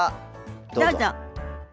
どうぞ。